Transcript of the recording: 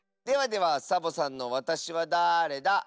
ではではサボさんの「わたしはだれだ？」。